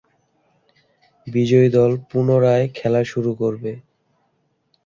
বিজয়ী দল পুনরায় খেলা শুরু করবে।